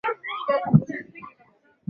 zaidi kusikia kwamba wanafanya kila kitu vizuri